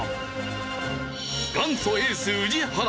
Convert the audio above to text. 元祖エース宇治原。